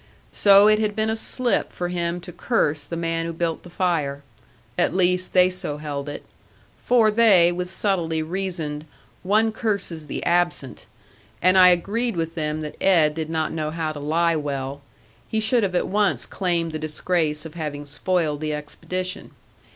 So it had been a slip for him to curse the man who built the fire. At least, they so held it. For, they with subtlety reasoned, one curses the absent. And I agreed with them that Ed did not know how to lie well; he should have at once claimed the disgrace of having spoiled the expedition.